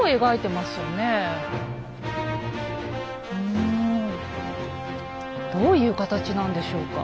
うんどういう形なんでしょうか？